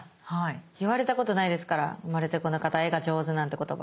言われたことないですから生まれてこの方絵が上手なんて言葉。